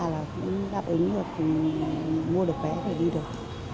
giáp ứng được mua được vé để đi được